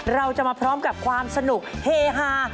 เราจะมาพร้อมกับความสนุกเฮฮา